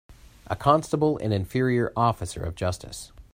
A constable an inferior officer of justice.